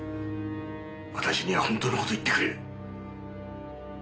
私には本当の事言ってくれ。